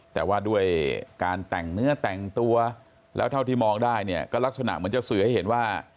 แต่ว่าด้วยการแต่งเนื้อแต่งตัวแล้วเท่าที่มองได้เนี่ยก็ลักษณะเหมือนจะสื่อให้เห็นว่า